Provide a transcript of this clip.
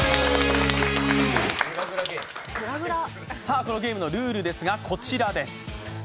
このゲームのルールですが、こちらです。